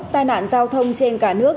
tài nạn giao thông trên cả nước